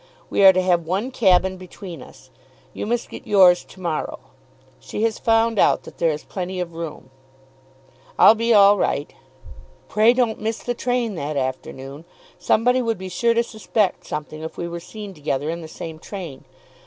We are to have one cabin between us. You must get yours to morrow. She has found out that there is plenty of room." "I'll be all right." "Pray don't miss the train that afternoon. Somebody would be sure to suspect something if we were seen together in the same train.